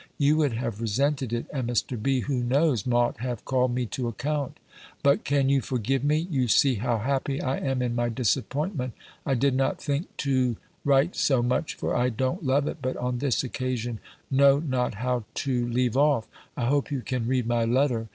You woulde have resented itt, and Mr. B. (who knows?) mought have called me to account. "Butt cann you forgive me? You see how happy I am in my disappointment. I did nott think too write so much; for I don't love it: but on this occasion, know not how too leave off. I hope you can read my letter.